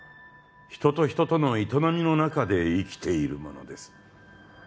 人と人との営みの中で生きているものです